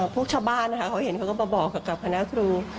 พวกชาวบ้านเห็นกับเขาก็มาบอกกับคุณคุณ